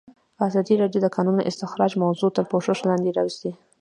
ازادي راډیو د د کانونو استخراج موضوع تر پوښښ لاندې راوستې.